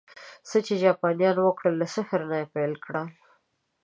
څه چې جاپانيانو وکړل، له صفر نه یې پیل کړل